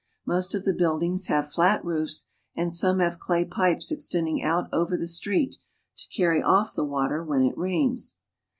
Most of the buildings have flat roofs, and some have clay pipes extending out over the street, to carry off the water when it rains.